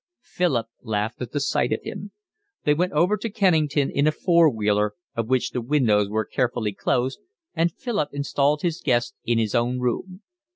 Philip laughed at the sight of him. They went over to Kennington in a four wheeler, of which the windows were carefully closed, and Philip installed his guest in his own room.